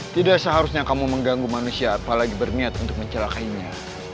tidak seharusnya kamu mengganggu manusia apalagi berniat untuk mencelakainya